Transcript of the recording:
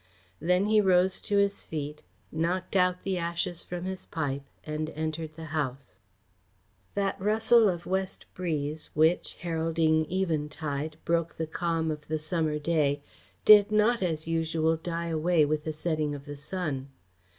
Then he rose to his feet, knocked out the ashes from his pipe, and entered the house. That rustle of west breeze which, heralding eventide, broke the calm of the summer day, did not, as usual, die away with the setting of the sun.